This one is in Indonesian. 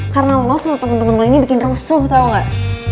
karena lo sama temen temen lo ini bikin rusuh tau gak